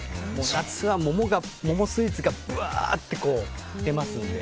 夏は桃スイーツがぶわっと出ますので。